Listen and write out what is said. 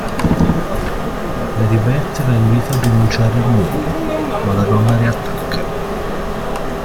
Mary Beth la invita a denunciare l'uomo, ma la donna riattacca.